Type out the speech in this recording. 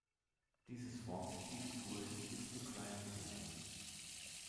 Dieses formt tiefe Furchen, bis zu kleinen Tälern.